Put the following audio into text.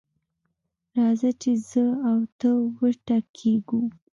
راځه چې زه او ته وټکېږو.